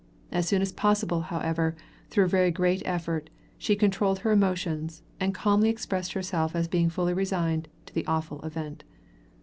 As soon as possible, however, through very great effort, she controlled her emotions, and calmly expressed herself as being fully resigned to the awful event.